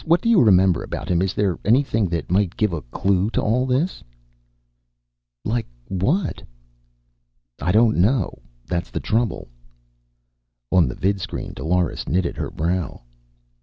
What do you remember about him? Is there anything that might give a clue to all this?" "Like what?" "I don't know. That's the trouble." On the vidscreen Dolores knitted her brow.